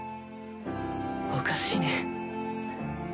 おかしいね。